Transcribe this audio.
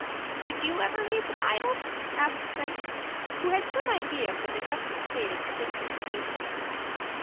"Did you ever read the Bible?" asked Frank, who had some idea of the neglected state of Dick's education.